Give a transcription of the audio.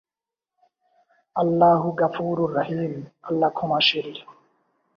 দলটি তাদের গান বাণিজ্যিকভাবে প্রকাশের বদলে বিনামূল্যে বিতরণের জন্য পরিচিত।